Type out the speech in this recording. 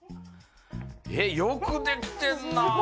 えっよくできてんな。